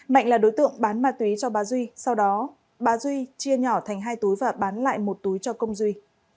mạnh là đối tượng bán ma túy cho bà duy sau đó bà duy chia nhỏ thành hai túi và bán lại một túi cho công duy